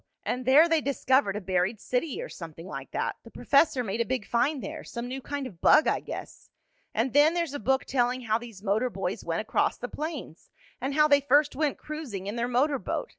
And there they discovered a buried city, or something like that. The professor made a big find there some new kind of bug I guess. And then there's a book telling how these motor boys went across the plains, and how they first went cruising in their motor boat.